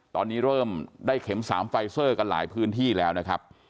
ตอนนี้เริ่มได้เข็ม๓ไฟเซอร์กันหลายพื้นที่แล้วนะครับ